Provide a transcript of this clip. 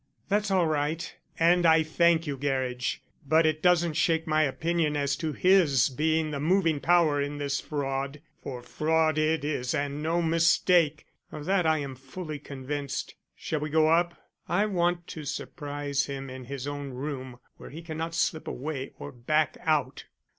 "That's all right and I thank you, Gerridge; but it doesn't shake my opinion as to his being the moving power in this fraud. For fraud it is and no mistake. Of that I am fully convinced. Shall we go up? I want to surprise him in his own room where he cannot slip away or back out."